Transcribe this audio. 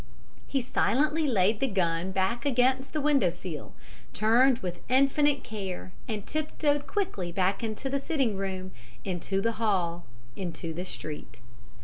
He silently laid the gun back against the window sill, turned with infinite care, and tiptoed quickly back into the sitting room, into the hall, into the street.